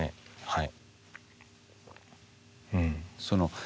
はい。